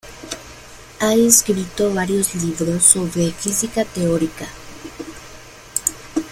Ha escrito varios libros sobre Física Teórica.